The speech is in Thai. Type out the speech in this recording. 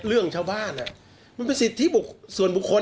เรื่องชาวบ้านมันเป็นสิทธิส่วนบุคคล